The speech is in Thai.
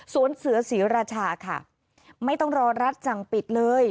สวนเสือเสียราชาค่ะไม่ต้องรอรัฐจังปิดเลย